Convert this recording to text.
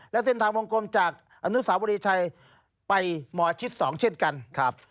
และเส้นทางวงกลมจากอนุสาวรีชัยไปหมอชิด๒เช่นกันครับ